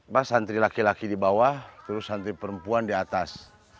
pak santri laki laki di bawah terus santri perempuan di atas